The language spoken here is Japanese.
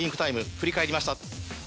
振り返りました。